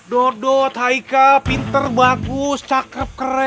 dodot haike pinter bagus cakep keren